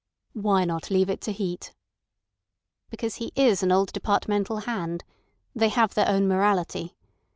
"Why not leave it to Heat?" "Because he is an old departmental hand. They have their own morality.